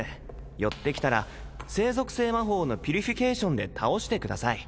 寄ってきたら聖属性魔法のピュリフィケイションで倒してください